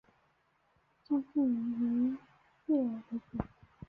经济以渔业为主。